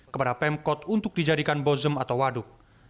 kepada pemkot untuk dijadikan bozem atau waduk